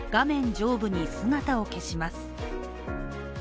上部に姿を消します。